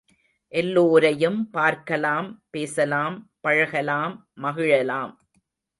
எல்லோரையும் பார்க்கலாம், பேசலாம், பழகலாம், மகிழலாம்.